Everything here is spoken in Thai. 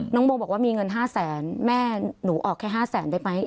โมบอกว่ามีเงิน๕แสนแม่หนูออกแค่๕แสนได้ไหม